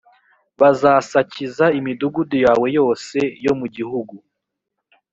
bazasakiza imidugudu yawe yose yo mu gihugu